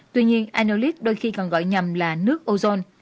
tuy nhiên anellite đôi khi còn gọi nhầm là nước ozone